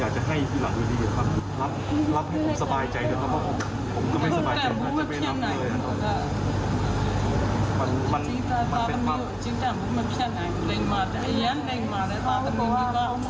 อาเกียรติเขาก็คือสู้อะไรประมาณนั้นครับ